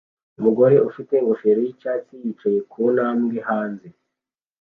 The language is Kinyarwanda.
Umugore ufite ingofero yicyatsi yicaye ku ntambwe hanze